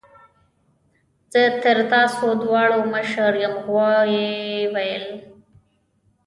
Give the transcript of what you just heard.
زه تر تاسو دواړو مشر یم غوايي وویل.